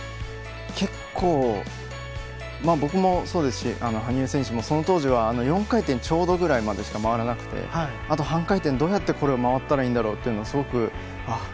結構、僕もそうですし羽生選手も４回転ちょうどぐらいまでしか回らなくて、あと半回転どうやってこれを回ったらいいだろうと、すごく。